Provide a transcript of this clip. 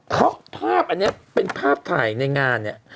เพราะภาพอันนี้เป็นภาพถ่ายในงานเนี่ย